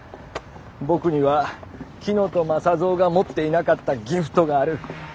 僕には乙雅三が持っていなかった「ギフト」があるッ。